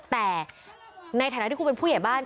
แต่ในฐานะที่คุณเป็นผู้ใหญ่บ้าน